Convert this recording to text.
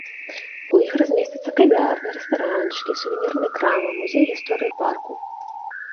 У іх размесцяцца кавярні, рэстаранчыкі, сувенірныя крамы, музей гісторыі парку.